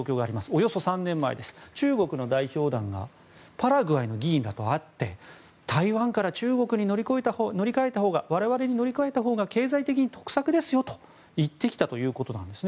およそ３年前、中国の代表団がパラグアイの議員らと会って台湾から中国に乗り換えたほうが我々に乗り換えたほうが経済的に得策ですよと言ってきたということです。